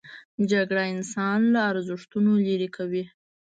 جګړه انسان له ارزښتونو لیرې کوي